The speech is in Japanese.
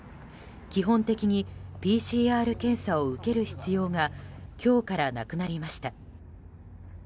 基本的にＰＣＲ検査を受ける必要が今日からなくなりました。